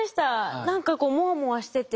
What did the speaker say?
何かこうモワモワしてて。